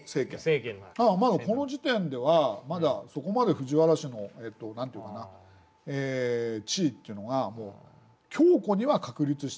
まだこの時点ではまだそこまで藤原氏の何て言うかな地位っていうのがもう強固には確立してない。